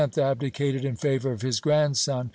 abdicated in favor of his grandson.